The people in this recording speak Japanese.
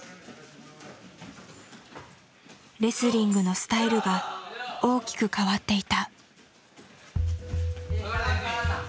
レスリングのスタイルが大きく変わっていた。